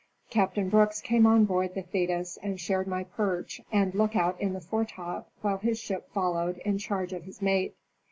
Captain Brooks came on board the Thetis and shared my perch and look out in the foretop, while his ship followed, in charge of his mate.